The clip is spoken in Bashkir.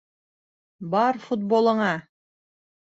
Бар футболыңа!